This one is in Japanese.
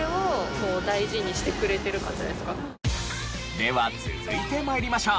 では続いて参りましょう。